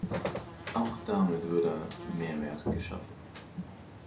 Auch damit würde Mehrwert geschaffen.